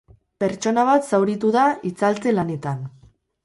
Pertsona bat zauritu da itzaltze-lanetan.